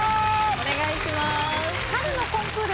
お願いします。